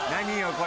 これ。